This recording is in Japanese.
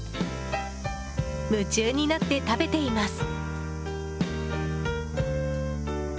夢中になって食べています。